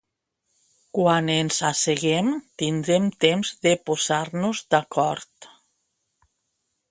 Quan ens asseguem tindrem temps de posar-nos d’acord.